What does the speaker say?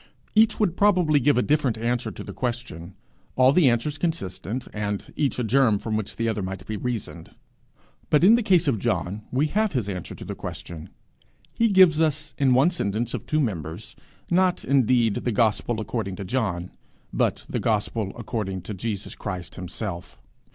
Each would probably give a different answer to the question, all the answers consistent, and each a germ from which the others might be reasoned; but in the case of John, we have his answer to the question: he gives us in one sentence of two members, not indeed the gospel according to John, but the gospel according to Jesus Christ himself.